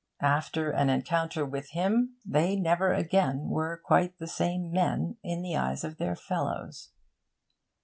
After an encounter with him they never again were quite the same men in the eyes of their fellows.